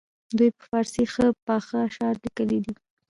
دوی په فارسي ښه پاخه اشعار لیکلي دي.